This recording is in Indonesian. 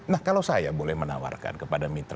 nah kalau saya boleh menawarkan kepada minta